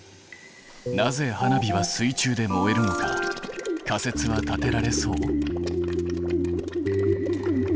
なぜ花火は水中で燃えるのか仮説は立てられそう？